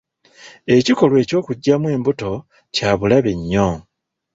Ekikolwa ky'okuggyamu embuto kya bulabe nnyo